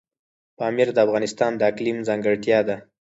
پامیر د افغانستان د اقلیم ځانګړتیا ده.